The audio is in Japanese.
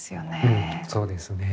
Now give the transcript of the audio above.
うんそうですね。